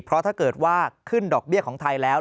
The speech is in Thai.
เพราะถ้าเกิดว่าขึ้นดอกเบี้ยของไทยแล้ว